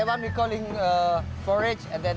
yang itu kita panggil bubur